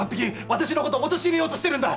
私のこと陥れようとしてるんだ！